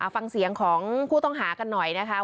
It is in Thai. ฟังเสียงของผู้ต้องหากันหน่อยนะคะ